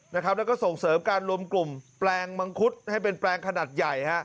แล้วก็ส่งเสริมการรวมกลุ่มแปลงมังคุดให้เป็นแปลงขนาดใหญ่